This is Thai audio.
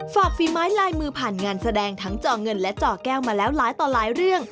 ฝีไม้ลายมือผ่านงานแสดงทั้งจอเงินและจอแก้วมาแล้วหลายต่อหลายเรื่อง